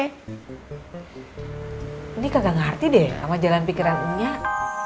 ini kagak ngerti deh sama jalan pikiran unyak